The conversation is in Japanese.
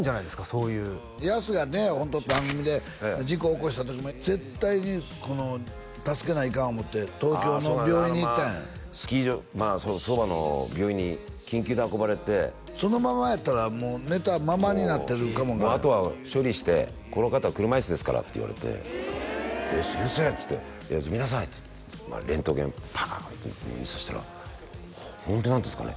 そういうやすがねホント番組で事故起こした時も絶対に助けないかん思って東京の病院に行ったんやスキー場そばの病院に緊急で運ばれてそのままやったらもう寝たままになってるかも「もうあとは処理して」「この方車椅子ですから」って言われて「えっ先生」っつって「見なさい」ってまあレントゲンパンって指さしたらホントなんですかね？